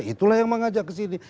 itulah yang mengajak kesini